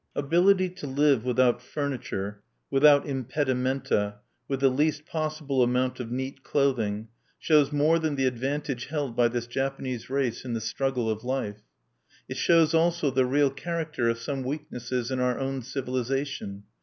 Ability to live without furniture, without impedimenta, with the least possible amount of neat clothing, shows more than the advantage held by this Japanese race in the struggle of life; it shows also the real character of some weaknesses in our own civilization.